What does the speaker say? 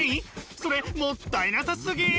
それもったいなさすぎ！